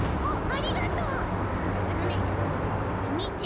ああのねみて！